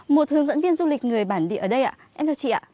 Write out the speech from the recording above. một hướng dẫn viên du lịch người bản địa ở đây ạ em theo chị ạ